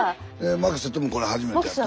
牧瀬ともこれ初めてやったな？